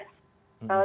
saya termasuk orang yang